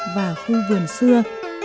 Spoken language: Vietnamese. và khu vườn xưa